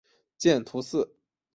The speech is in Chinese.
见图四。